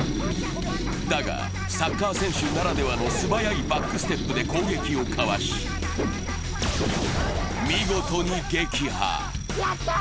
だがサッカー選手ならではの素早いバックステップで攻撃をかわし、見事に撃破。